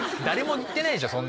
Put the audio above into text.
誰も言ってないでしょ